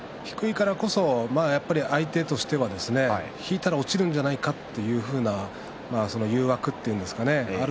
相手としては低いからこそ引いたら落ちるんじゃないかという誘惑というんですかね。